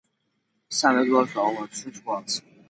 სამეგრელოს გაუმარჯოს და ჯგალს